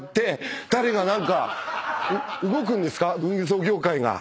運送業界が。